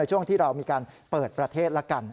ช่วงที่เรามีการเปิดประเทศละกัน